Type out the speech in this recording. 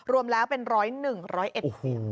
รวมแล้วเป็น๑๐๑ร้อยเอ็ด